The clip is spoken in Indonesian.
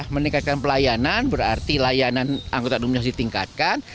meningkatkan pelayanan berarti layanan angkutan umumnya harus ditingkatkan